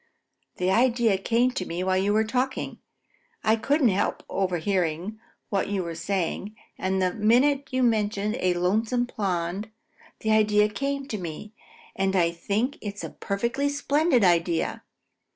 The idea came to me while you were talking. I couldn't help overhearing what you were saying, and the minute you mentioned a lonesome pond, the idea came to me, and I think it's a perfectly splendid idea.